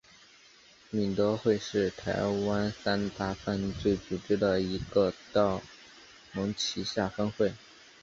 敏德会是台湾三大犯罪组织之一天道盟旗下分会。